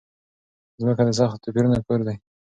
ځمکه د سختو توپيرونو کور دی.